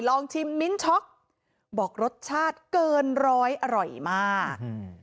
ลองชิมมิ้นช็อกบอกรสชาติเกินร้อยอร่อยมากอืม